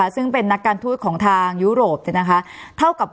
ซึ่งเป็นนักการทูตของทางยุโรป